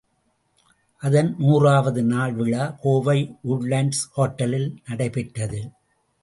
அதன் நூறாவது நாள் விழா கோவை உட்லண்ட்ஸ் ஹோட்டலில் நடைபெற்றது.